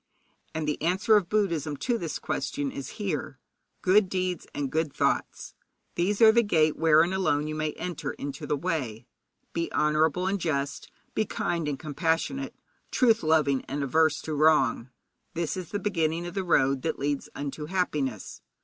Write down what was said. And the answer of Buddhism to this question is here: good deeds and good thoughts these are the gate wherein alone you may enter into the way. Be honourable and just, be kind and compassionate, truth loving and averse to wrong this is the beginning of the road that leads unto happiness.